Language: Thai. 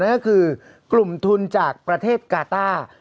นั่นก็คือกลุ่มทุนจากประเทศกาต้า